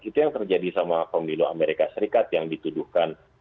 itu yang terjadi sama pemilu amerika serikat yang dituduhkan